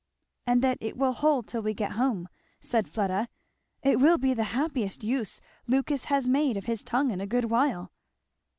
"And that it will hold till we get home," said Fleda. "It will be the happiest use Lucas has made of his tongue in a good while."